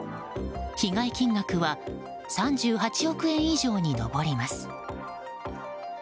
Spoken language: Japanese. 被害金額は３８億円以上に上ります。